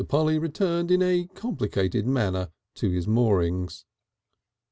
Polly returned in a complicated manner to his moorings.